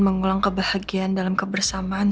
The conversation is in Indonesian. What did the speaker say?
mengulang kebahagiaan dalam kebersamaan